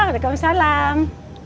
ada kamu salam